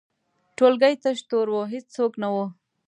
ټولګی تش تور و، هیڅوک نه وو.